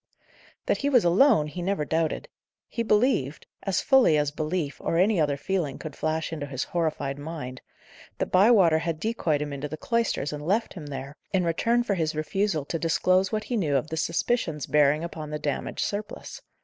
That he was alone, he never doubted. He believed as fully as belief, or any other feeling could flash into his horrified mind that Bywater had decoyed him into the cloisters and left him there, in return for his refusal to disclose what he knew of the suspicions bearing upon the damaged surplice.